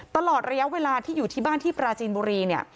ตลอดระยะเวลาที่อยู่ที่บ้านที่ปราจีนบุรีเนี่ย